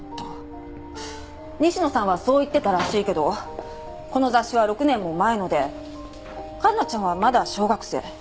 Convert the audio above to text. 西野さんはそう言ってたらしいけどこの雑誌は６年も前ので環奈ちゃんはまだ小学生。